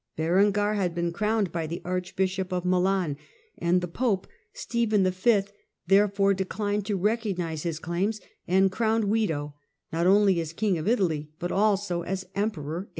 Berengar had been crowned by the Archbishop of Milan, and the Pope, Stephen V., therefore declined to recognise his claims and crowned Wido, not only as king of Italy but also as Emperor (891).